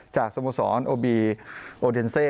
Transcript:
จากสมสรรค์โอบีโอเดนเซ่